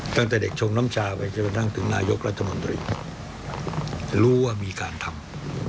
ตั้งแต่เด็กชงน้ำชาไปจนกระทั่งถึงนายกรัฐมนตรีรู้ว่ามีการทำ